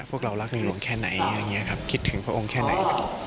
พวกเรารักในหลวงแค่ไหนคิดถึงพระองค์แค่ไหน